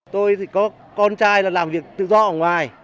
tôi thì có con trai là làm việc tự do ở ngoài